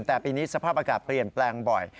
แต่ปีนี้สภาพอากาศเปลี่ยนแปลงบ่อย